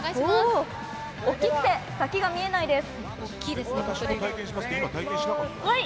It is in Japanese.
大きくて、先が見えないです。